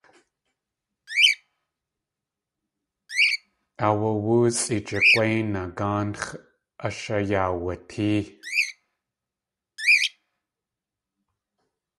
Aawa.óosʼi jig̲wéinaa gáanx̲ ashayaawatée.